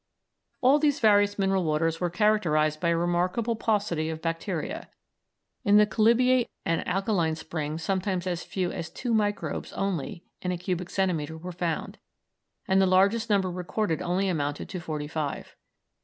All these various mineral waters were characterised by a remarkable paucity of bacteria; in the chalybeate and alkaline springs sometimes as few as two microbes only in a cubic centimetre were found, and the largest number recorded only amounted to forty five.